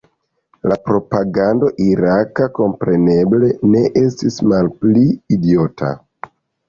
La propagando iraka, kompreneble, ne estis malpli idiota.